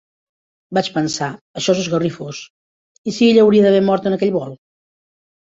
Vaig pensar, això és esgarrifós, ¿i si ella hauria d'haver mort en aquell vol?